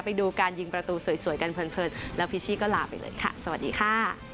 ไปดูการยิงประตูสวยกันเพลินแล้วพิชชี่ก็ลาไปเลยค่ะสวัสดีค่ะ